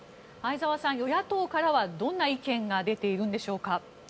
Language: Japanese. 与野党からはどんな意見が出ているのでしょうか？